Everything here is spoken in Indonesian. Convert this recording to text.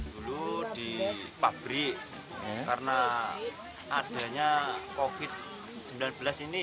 dulu di pabrik karena adanya covid sembilan belas ini